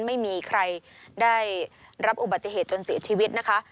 ไม่มีใครได้รับอุบัติเหตุจนเสียชีวิตนะคะ